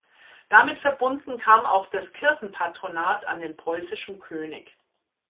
Damit verbunden kam auch das Kirchenpatronat an den preußischen König.